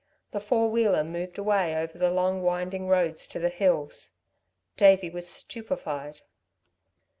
The four wheeler moved away over the long winding road to the hills. Davey was stupefied.